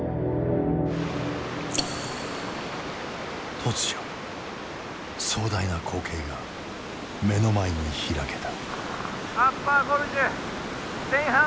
突如壮大な光景が目の前に開けた。